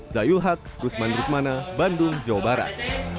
zayul haq rusman rusmana bandung jawa barat